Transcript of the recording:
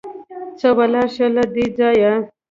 ځه ولاړ شه له دې ځايه!